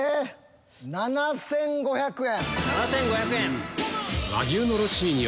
７５００円。